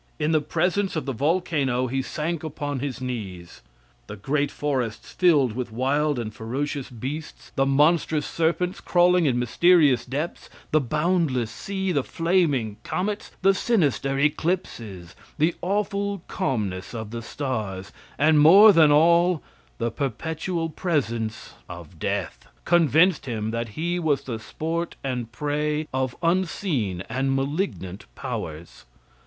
In the presence of the volcano he sank upon his knees. The great forests filled with wild and ferocious beasts, the monstrous serpents crawling in mysterious depths, the boundless sea, the flaming comets, the sinister eclipses, the awful calmness of the stars, and more than all, the perpetual presence of death, convinced him that he was the sport and prey of unseen and malignant powers.